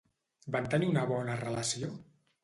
Van tenir una bona relació?